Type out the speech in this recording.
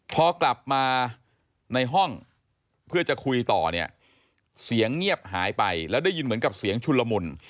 พอกลับมาในห้องเพื่อจะคุยต่อเนี่ยเสียงเงียบหายไปแล้วได้ยินเหมือนกับเสียงชุนละมุน